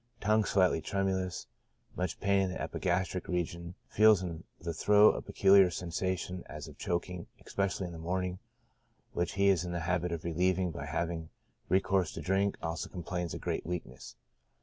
Tongue slightly tremulous ; much pain in the epigastric region ; feels in the throat a peculiar sensation as of choking, especially in the morning, which he is in the habit of relieving by having recourse to drink ; also complains of great weakness.